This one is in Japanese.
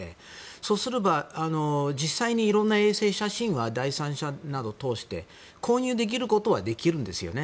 そうすれば実際にいろいろな衛星写真は第三者などを通して購入できることはできるんですよね。